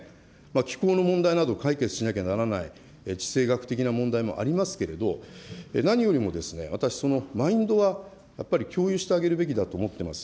気候の問題など、解決しなきゃならない地政学的な問題もありますけれど、なによりも私、そのマインドはやっぱり共有してあげるべきだと思ってます。